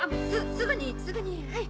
すぐにすぐにはい！